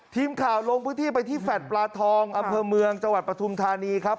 ทีมข่าวลงพื้นที่ไปที่แฟลต์ปลาทองอำเภอเมืองจังหวัดปฐุมธานีครับ